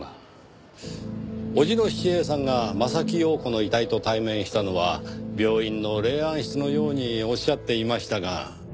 叔父の七平さんが柾庸子の遺体と対面したのは病院の霊安室のようにおっしゃっていましたが。